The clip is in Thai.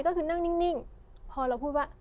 ก็คือนั่งนิ่งพอเราพูดว่า